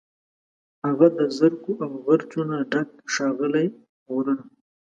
هغه د زرکو، او غرڅو، نه ډک، ښاغلي غرونه